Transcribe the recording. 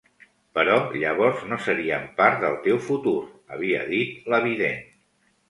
"Però llavors no serien part del teu futur", havia dit la vident.